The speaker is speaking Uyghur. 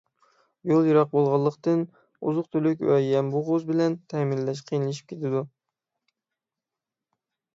يول يىراق بولغانلىقتىن، ئوزۇق-تۈلۈك ۋە يەم-بوغۇز بىلەن تەمىنلەش قىيىنلىشىپ كېتىدۇ.